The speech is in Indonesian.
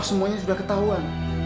semuanya sudah ketahuan